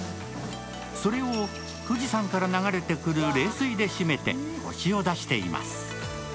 それを、富士山から流れてくる冷水で締めてコシを出しています。